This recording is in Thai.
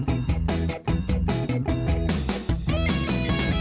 โปรดติดตามตอนต่อไป